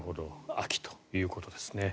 秋ということですね。